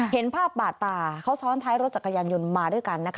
เห็นภาพบาดตาเขาซ้อนท้ายรถจักรยานยนต์มาด้วยกันนะคะ